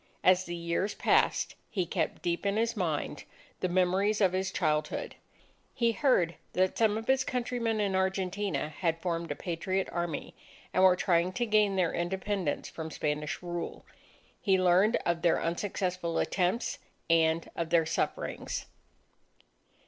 As the years passed, he kept deep in his mind the memories of his childhood. He heard that some of his countrymen in Argentina had formed a Patriot Army, and were trying to gain their independence from Spanish rule. He learned of their unsuccessful attempts and of their sufferings.